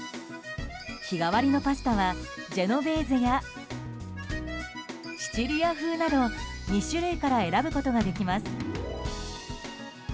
日替わりのパスタはジェノベーゼやシチリア風など２種類から選ぶことができます。